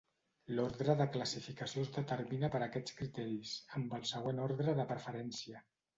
L'ordre de classificació es determina per aquests criteris, amb el següent ordre de preferència.